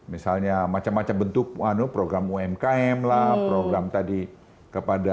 misalnya macam macam bentuk program umkm lah program tadi kepada